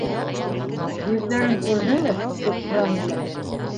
Йөҙҙәрен күрҙеңме? - тип һоранылар.